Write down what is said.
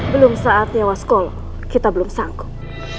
belum saat diawas sekolah kita belum sanggup